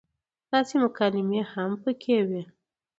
داسې مکالمې هم پکې وې